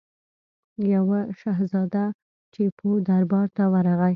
یوه شهزاده ټیپو دربار ته ورغی.